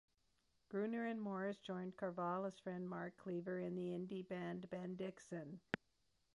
Gruener and Morris joined Corvallis friend Mark Cleaver in the indie band Bendixon.